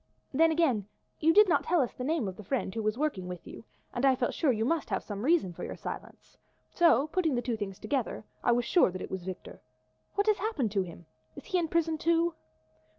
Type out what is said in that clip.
Then, again, you did not tell us the name of the friend who was working with you, and I felt sure you must have some reason for your silence. So, putting the two things together, I was sure that it was Victor. What has happened to him? Is he in prison too?"